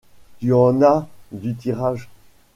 Tu en as eu du tirage !